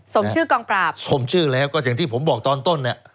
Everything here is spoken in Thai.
สมชื่อกองปราบสมชื่อแล้วก็อย่างที่ผมบอกตอนต้นเนี่ย